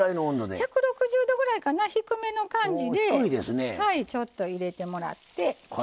１６０度ぐらいかな低めの感じでちょっと入れてもらって。